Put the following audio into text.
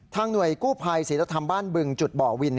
หน่วยกู้ภัยศิลธรรมบ้านบึงจุดบ่อวิน